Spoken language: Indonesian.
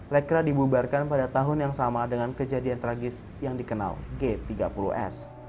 lekra dibubarkan pada tahun yang sama dengan kejadian tragis yang dikenal g tiga puluh s